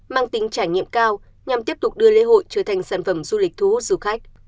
mang tính trải nghiệm cao nhằm tiếp tục đưa lễ hội trở thành sản phẩm du lịch thu hút du khách